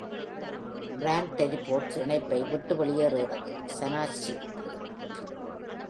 Brand teleports, இணைப்பை விட்டு வெளியேறுகிறது Sennacherib.